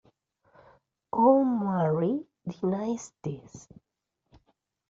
Al-Marri denies this.